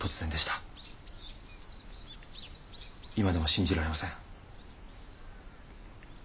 今でも信じられません。